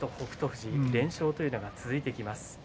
富士は連勝というのが続いています。